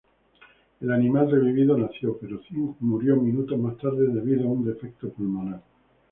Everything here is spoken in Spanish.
El animal revivido nació, pero murió minutos más tarde debido a un defecto pulmonar.